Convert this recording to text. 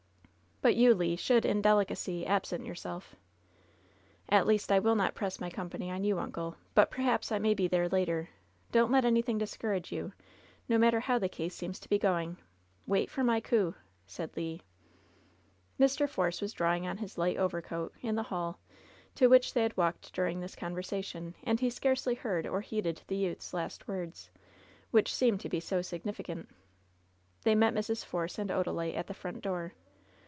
But you, Le, should, in delicacy, absent yourself." "At least, I will not press my company on you, uncle. But perhaps I may be there later. Don't let anything 106 LOVE'S BITTEREST CUP discourage you, no matter how the case seems to be going. Wait for my coup'* said Le. Mr. Force was drawing on his light overcoat in the hall, to which they had walked during this conversation, and he scarcely heard or heeded the youth's last words, which seemed to be so significant. They met Mrs. Force and Odalite at the front door.